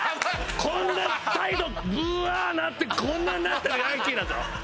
こんなサイドブワーッなってこんなになったヤンキーだぞ。